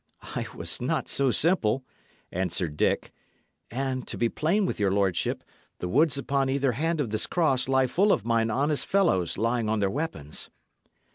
"I was not so simple," answered Dick; "and, to be plain with your lordship, the woods upon either hand of this cross lie full of mine honest fellows lying on their weapons."